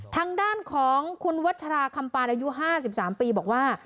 ทางด้านของคุณวัชราคำปานอายุ๕๓ปีบอกว่า